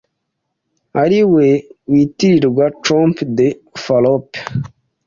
ari we witirirwa trompe de Fallope